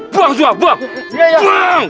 buang semua buang